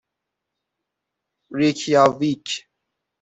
ریکیاویک